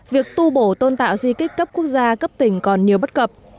việc tu bổ tôn tạo di tích cấp quốc gia cấp tỉnh còn nhiều bất cập